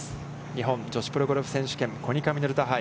日本女子プロゴルフ選手権大会コニカミノルタ杯。